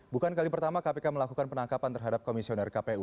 bukan kali pertama kpk melakukan penangkapan terhadap komisioner kpu